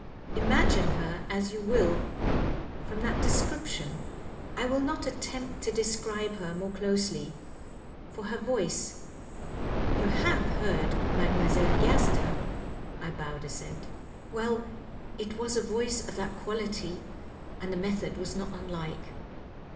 Imagine her as you will from that description ; I will not attempt to describe her more closely. For her voice — ^you have heard Mdlle. Gerster ?" (I bowed assent) — well, it was a voice of that quality, and the method was not unlike.